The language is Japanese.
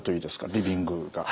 リビングが。